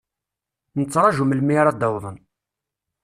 Nettṛaju melmi ara d-awḍen.